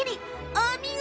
お見事！